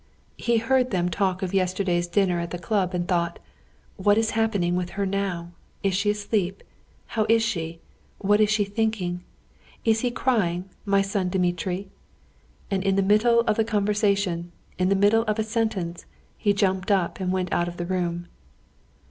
He heard them talk of yesterday's dinner at the club, and thought: "What is happening with her now? Is she asleep? How is she? What is she thinking of? Is he crying, my son Dmitri?" And in the middle of the conversation, in the middle of a sentence, he jumped up and went out of the room.